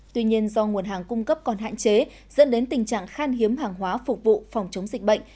tuy nhiên do nguồn hàng cung cấp còn hạn chế dẫn đến tình trạng khan hiếm hàng hóa phục vụ phòng chống dịch bệnh